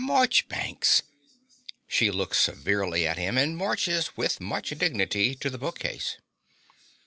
Marchbanks! (She looks severely at him, and marches with much dignity to the bookcase.)